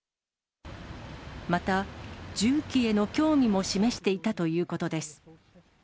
また、銃器への興味も示していたということです。